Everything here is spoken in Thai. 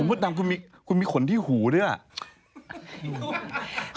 ผมพูดตามคุณมีขนที่หูด้วยอะ